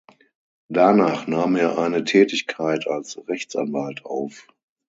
Danach nahm er eine Tätigkeit als Rechtsanwalt auf.